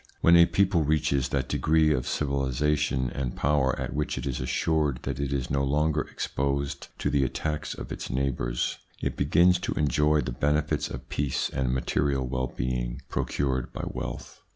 When a people reaches that degree of civilisation and power at which it is assured that it is no longer exposed to the attacks of its neighbours, it begins to enjoy the benefits of peace and material well being procured by wealth.